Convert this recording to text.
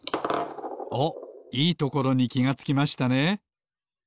おっいいところにきがつきましたね。